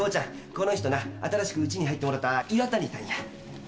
この人な新しくうちに入ってもろうた岩谷さんや」